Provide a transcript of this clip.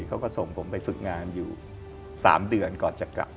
เขาก็ส่งผมไปฝึกงานอยู่๓เดือนก่อนจะกลับ